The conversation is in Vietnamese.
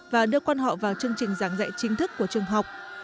và đưa quan họ vào chương trình giảng dạy chính thức của trường học